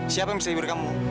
siapa yang bisa libur kamu